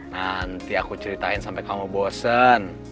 nanti aku ceritain sampai kamu bosen